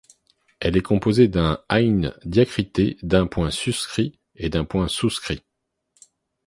Elle est composée d’un ʿayn diacrité d’un point suscrit et d’un point souscrit.